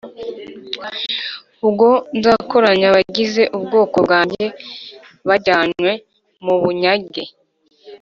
Ubwo nzakoranya abagize ubwoko bwanjye bajyanywe mu bunyage